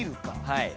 はい。